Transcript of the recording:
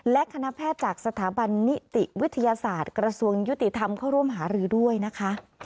และคณะแพทย์จากสถาบันนิติวิทยาศาสตร์กระทรวงยุติธรรมเข้าร่วมหารือด้วยนะคะ